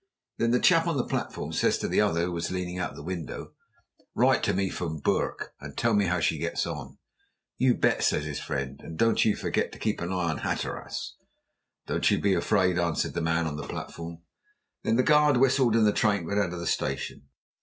Then the chap on the platform says to the other who was leaning out of the window, 'Write to me from Bourke, and tell me how she gets on.' 'You bet,' says his friend. 'And don't you forget to keep your eye on Hatteras.' 'Don't you be afraid,' answered the man on the platform. Then the guard whistled, and the train went out of the station.